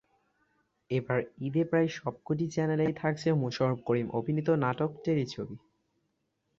এবার ঈদে প্রায় সবকটি চ্যানেলেই থাকছে মোশাররফ করিম অভিনীত নাটক, টেলিছবি।